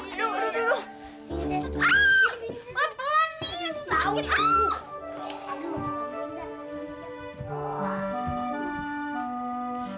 pelan pelan nih sakit